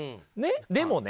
でもね